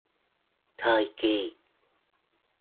Thời kỳ